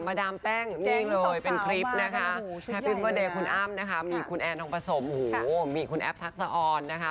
ดามแป้งนี่เลยเป็นคลิปนะคะแฮปปี้เบอร์เดย์คุณอ้ำนะคะมีคุณแอนทองผสมโอ้โหมีคุณแอฟทักษะออนนะคะ